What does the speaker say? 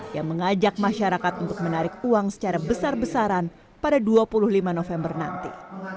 yang mengajak masyarakat untuk menarik uang secara besar besaran pada dua puluh lima november nanti